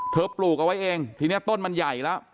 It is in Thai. ปลูกเอาไว้เองทีนี้ต้นมันใหญ่แล้ว